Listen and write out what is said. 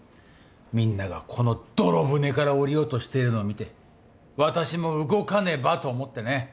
みんながこの泥船から降りようとしているのを見て私も動かねばと思ってね。